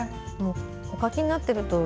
お書きになっているとおり